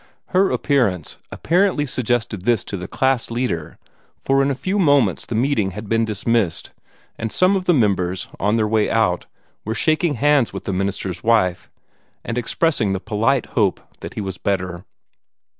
Her appearance apparently suggested this to the class leader, for in a few moments the meeting had been dismissed, and some of the members, on their way out, were shaking hands with their minister's wife, and expressing the polite hope that he was better.